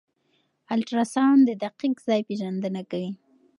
الټراساؤنډ د دقیق ځای پېژندنه کوي.